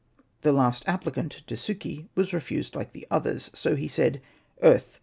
The last applicant, Desuki, was refused like the others ; so he said, " Earth !